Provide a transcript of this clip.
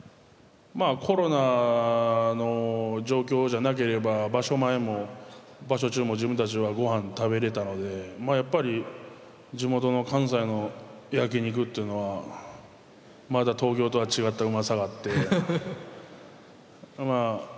まあコロナの状況じゃなければ場所前も場所中も自分たちはご飯食べれたのでやっぱり地元の関西の焼き肉っていうのはまた東京とは違ったうまさがあってまあ